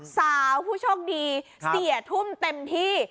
สาวผู้โชคดี๔ทุ่มเต็มที่